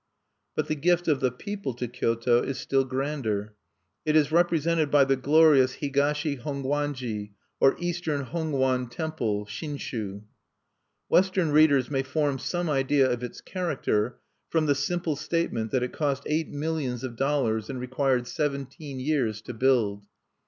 But the gift of the people to Kyoto is still grander. It is represented by the glorious Higashi Hongwanji, or eastern Hongwan temple (Shinshu). Western readers may form some idea of its character from the simple statement that it cost eight millions of dollars and required seventeen years to build.